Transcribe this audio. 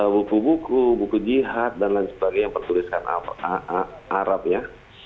buku buku buku jihad dan lain sebagainya yang bertuliskan arab ya